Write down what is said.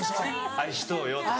「愛しとうよ」とか。